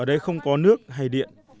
ở đây không có nước hay điện